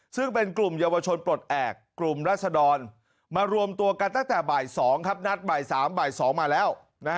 ซึ่งเป็นกลุ่มเยาวชนปลดแอบกลุ่มรัศดรมารวมตัวกันตั้งแต่บ่าย๒ครับนัดบ่าย๓บ่าย๒มาแล้ว